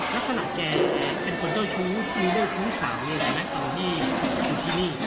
ลักษณะแกเป็นคนเจ้าชู้มีเรื่องชู้สาวเลยไหมตอนที่อยู่ที่นี่